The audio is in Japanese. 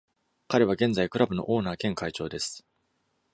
彼は現在、クラブのオーナー兼会長です。